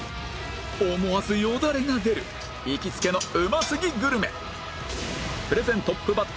思わずよだれが出る行きつけのうますぎグルメ